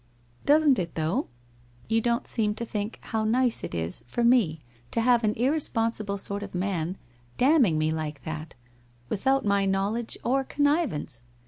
' Doesn't it though ? You don't seem to think how nice it is for me to have an irresponsible sort of man damning me like that, without my knowledge or connivance.